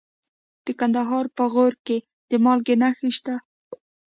د کندهار په غورک کې د مالګې نښې شته.